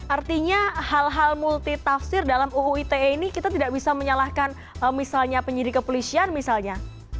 artinya hal hal multitafsir dalam uu ite ini kita tidak bisa menyalahkan misalnya penyidik kepolisian misalnya